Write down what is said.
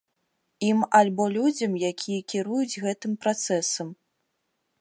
Ім альбо людзям, якія кіруюць гэтым працэсам.